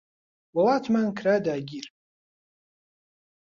وڵاتمان کرا داگیر